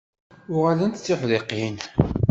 Uɣalent d tuḥdiqin.